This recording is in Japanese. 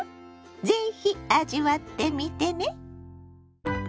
是非味わってみてね。